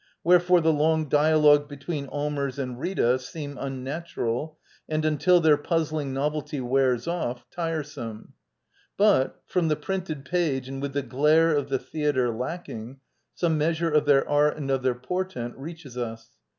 Where fore, the long dialogues between Allmers and Rita seem unnatural, and until their puzzling novelty wears off, tiresome. But, from the printed page and with the glare of the theatre lacking, some measure of their art and of their portent reaches us.